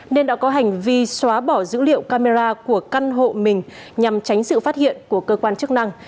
nên đã có hành vi xóa bỏ dữ liệu camera của căn hộ mình nhằm tránh sự phát hiện của cơ quan chức năng